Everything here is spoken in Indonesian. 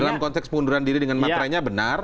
dalam konteks pengunduran diri dengan matranya benar